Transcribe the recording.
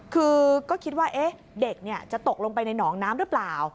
คือก็คิดว่าเอ๊ะเด็กเนี่ยจะตกลงไปในน้องน้ำหรือเปล่า